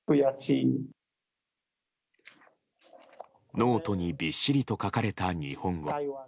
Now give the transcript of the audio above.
ノートにびっしりと書かれた日本語。